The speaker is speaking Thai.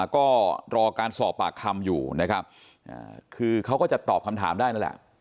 ก็รอการสอบปากคำอยู่นะครับคือเขาก็จะตอบคำถามได้นั่นแหละ